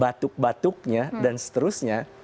batuk batuknya dan seterusnya